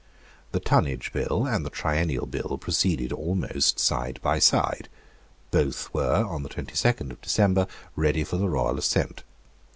The Tonnage Bill and the Triennial Bill proceeded almost side by side. Both were, on the twenty second of December, ready for the royal assent.